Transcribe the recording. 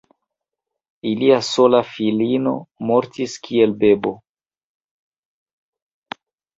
Ilia sola filino mortis kiel bebo.